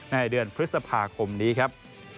ในเดือนพฤษภาคมนี้ครับ